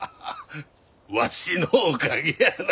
ワシのおかげやな。